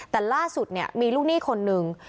แต่ล่าสุดเนี่ยมีลูกหนี้คนหนึ่ง